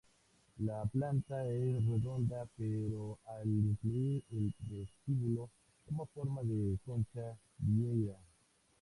La planta es redonda, pero al incluir el vestíbulo toma forma de concha vieira.